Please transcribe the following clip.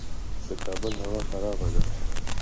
د کابل هوا خرابه ده